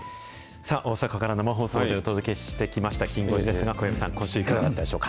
さあ、大阪から生放送でお届けしてきました、きん５時ですが、小籔さん、今週、いかがだったでしょうか。